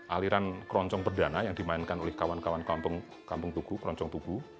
aliran keroncong perdana yang dimainkan oleh kawan kawan kampung tugu keroncong tugu